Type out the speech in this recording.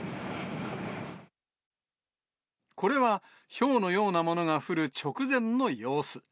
これはひょうのようなものが降る直前の様子。